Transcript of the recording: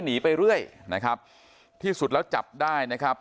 หนีไปเรื่อยนะครับที่สุดแล้วจับได้นะครับ